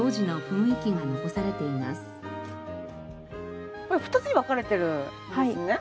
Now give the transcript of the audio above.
これ２つに分かれてるんですね。